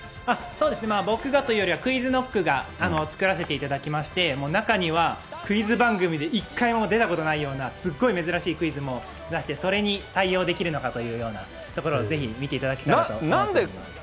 そうですね、僕がというよりはＱｕｉｚＫｎｏｃｋが作らせていただきまして、中にはクイズ番組で一回も出たことないような、すごい珍しいクイズも出して、それに対応できるのかというようなところをぜひ見ていただきたいなと思います。